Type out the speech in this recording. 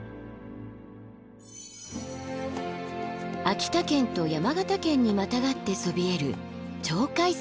秋田県と山形県にまたがってそびえる鳥海山。